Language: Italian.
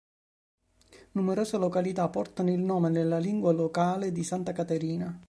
Numerose località portano il nome, nella lingua locale, di Santa Caterina.